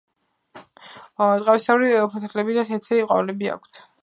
ტყავისებრი ფოთლები და თეთრი ყვავილები აქვთ.